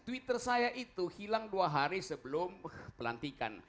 twitter saya itu hilang dua hari sebelum pelantikan